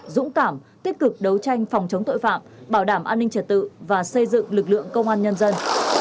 dũng cảm tích cực đấu tranh phòng chống tội phạm bảo đảm an ninh trật tự và xây dựng lực lượng công an nhân dân